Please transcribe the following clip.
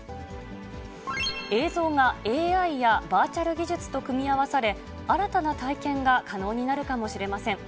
映像がＡＩやバーチャル技術と組み合わさる新たな体験が可能になるかもしれません。